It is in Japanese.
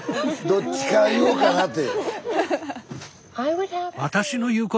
どっちから言おうかなて。